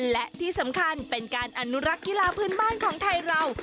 และที่สำคัญเป็นการอนุรักษ์กีฬาพื้นบ้านของไทยเรา